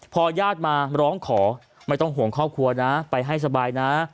พอญาติมาร้องขอไม่ต้องห่วงครอบครัวนะไปให้สบายนะ